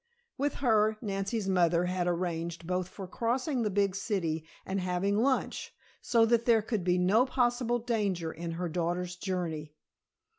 With her, Nancy's mother had arranged, both for crossing the big city and having lunch, so that there could be no possible danger in her daughter's journey.